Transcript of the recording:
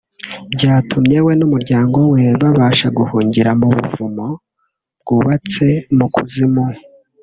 byatumye we n’umuryango we babasha guhungira mu buvumo bwubatse mu kuzimu